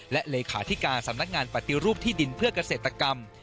และเลขาธิการสำนักงานปฏิรูปที่ดินเพื่อเกษตรกรรม